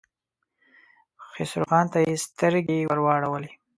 خسرو خان ته يې سترګې ور واړولې.